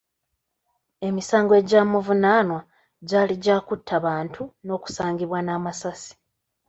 Emisango egyamuvunaanwa gyali gya kutta bantu n’okusangibwa n’amasasi.